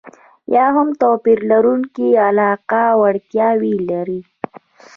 یا هم توپير لرونکې علاقه او اړتياوې ولري.